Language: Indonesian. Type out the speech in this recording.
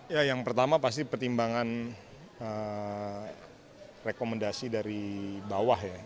ya yang pertama pasti pertimbangan rekomendasi dari bawah ya